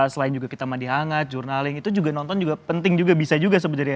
selain juga kita mandi hangat jurnaling itu juga nonton juga penting juga bisa juga sebenarnya